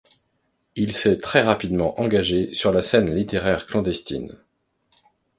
Il s'est très rapidement engagé sur la scène littéraire clandestine.